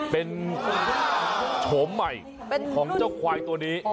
เป็นโฉมใหม่ของเจ้าควายตัวนี้